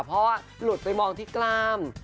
เพราะว่าหลุดไปมองที่กล้าม